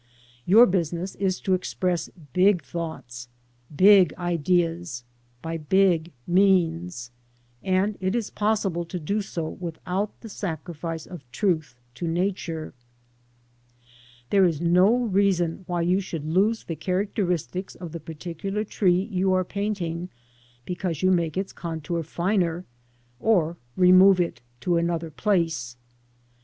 Yo ur b usi ness is ^o express bi g though ts — big ideas, by b ig_means — and it is possible to do so withou t the sacrifice of truth to Nature, There is no reason why you should lose the characteristics of the particular tree you are painting, because you make its contour finer, or remove it to another place.